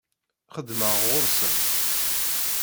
Xeddmeɣ ɣur-sen.